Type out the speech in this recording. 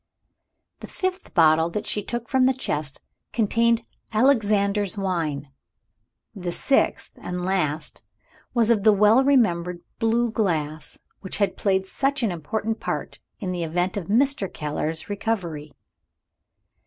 The fifth bottle that she took from the chest contained "Alexander's Wine." The sixth, and last, was of the well remembered blue glass, which had played such an important part in the event of Mr. Keller's recovery.